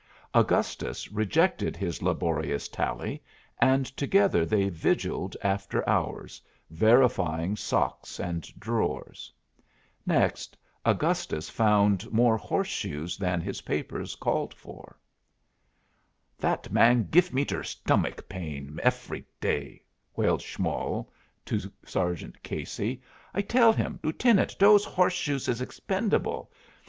Augustus rejected his laborious tally, and together they vigiled after hours, verifying socks and drawers. Next, Augustus found more horseshoes than his papers called for. "That man gif me der stomach pain efry day," wailed Schmoll to Sergeant Casey. "I tell him, 'Lieutenant, dose horseshoes is expendable.